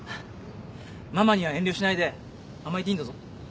ママには遠慮しないで甘えていいんだぞ。